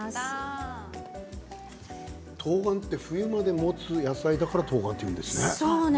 とうがんは冬までもつ野菜だからとうがんっていうんですね。